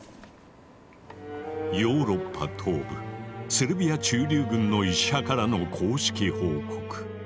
ヨーロッパ東部セルビア駐留軍の医者からの公式報告。